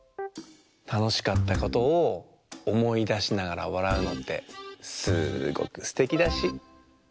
たのしかったことをおもいだしながらわらうのってすごくすてきだし。